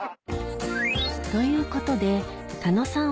ということで狩野さん